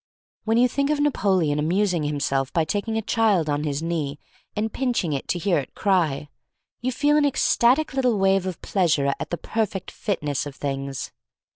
When you think of Napoleon amus ing himself by taking a child on his knee and pinching it to hear it cry, you feel an ecstatic little wave of pleasure at the perfect fitness of things.